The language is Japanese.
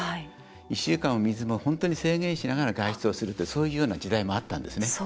１週間、お水も本当に制限しながら外出をするっていうそういうような時代もあったんですね。